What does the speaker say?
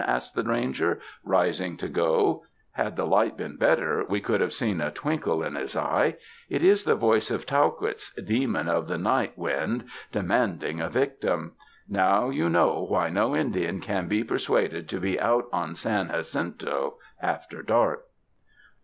asked the ranger, rising to go — had the light been better we could have seen a twinkle in his eye. ''It is the voice of Tauquitz, demon of the night wind, demanding a victim. Now you know why no Indian can be persuaded to be out on San Jacinto after dark."